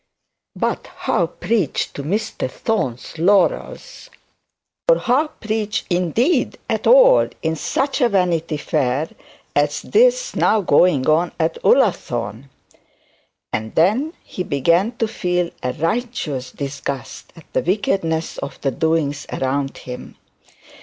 But how preach to Mr Thorne's laurels, or how preach indeed at all in such a vanity fair as this now going on at Ullathorne? And then he began to feel a righteous disgust at the wickedness of the doings around him.